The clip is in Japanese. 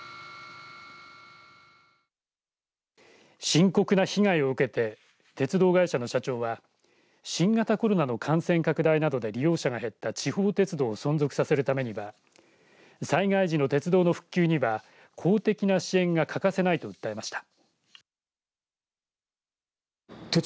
深刻な被害を受けて鉄道会社の社長は新型コロナの感染拡大などで利用者が減った地方鉄道を存続させるためには災害時の鉄道の復旧には公的な支援が欠かせないと訴えました。